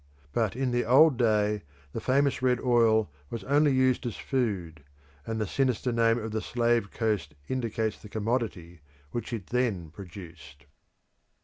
But in the old day the famous red oil was only used as food, and the sinister name of the Slave Coast indicates the commodity which it then produced.